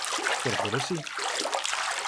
Por agora, si.